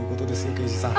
刑事さん。